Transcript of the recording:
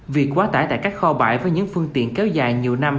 việc quá tải tại các kho bãi với những phương tiện kéo dài nhiều năm